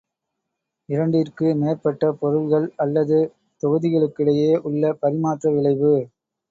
இரண்டிற்கு மேற்பட்ட பொருள்கள் அல்லது தொகுதிகளுக்கிடையே உள்ள பரிமாற்ற விளைவு.